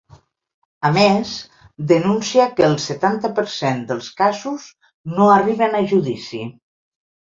A més, denuncia que el setanta per cent dels casos no arriben a judici.